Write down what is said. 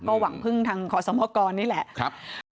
ก็หวังพึ่งทางขอสมกรนี่แหละ